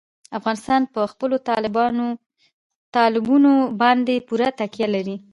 افغانستان په خپلو تالابونو باندې پوره تکیه لري.